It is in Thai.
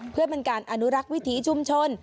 เพื่อเป็นการอนุรักษ์วิถีชุมชน